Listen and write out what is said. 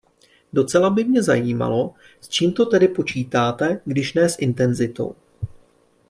Docela by mě zajímalo, s čím to tedy počítate, když ne s intenzitou.